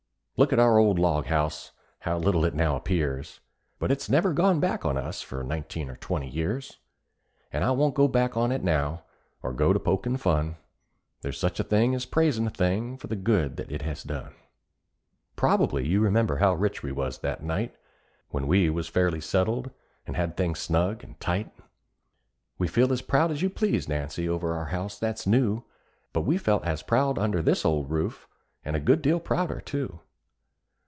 Look at our old log house how little it now appears! But it's never gone back on us for nineteen or twenty years; An' I won't go back on it now, or go to pokin' fun There's such a thing as praisin' a thing for the good that it has done. Probably you remember how rich we was that night, When we was fairly settled, an' had things snug and tight: We feel as proud as you please, Nancy, over our house that's new, But we felt as proud under this old roof, and a good deal prouder, too.